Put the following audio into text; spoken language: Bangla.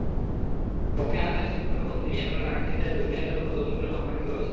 কফি আনানের সফরের মধ্যেই মিয়ানমারের রাখাইন রাজ্যে রোহিঙ্গাদের ওপর দমন-পীড়ন অব্যাহত রয়েছে।